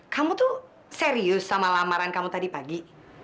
kamu tuh serius sama lamaran kamu tadi pagi